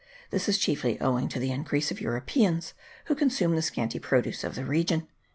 This is chiefly owing to the in crease of Europeans, who consumed the scanty pro duce of the region.